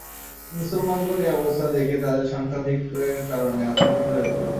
মুসলমানগণ এ অবস্থা দেখে তাদের সংখ্যাধিক্যের কারণে আতংকিত হয়ে পড়ল।